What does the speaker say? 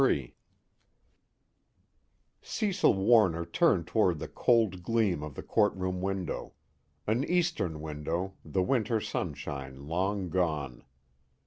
_ III Cecil Warner turned toward the cold gleam of the courtroom window; an eastern window, the winter sunshine long gone.